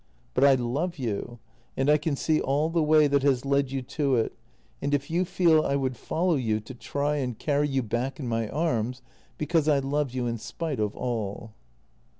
But I love you, and I can see all the way that has led you to it, and if you feel I would follow you to try and carry you back in my arms, because I love you in spite of all."